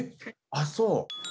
あっそう。